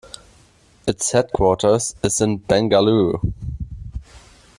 Its headquarters is in Bengaluru.